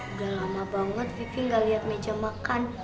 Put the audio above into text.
udah lama banget vivi gak lihat meja makan